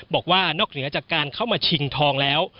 บอกว่านอกเหนือจากการเข้ามาชิงทองแล้ว